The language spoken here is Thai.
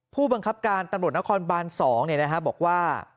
ผู้บังคับการตำรวจนครบาน๒บอกว่า